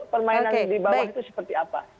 permainan di bawah itu seperti apa